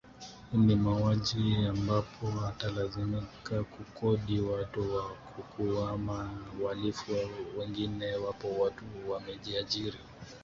ni mauaji ambapo atalazimika kukodi watu wa kuuaKama wahalifu wengine wapo watu wamejiajiri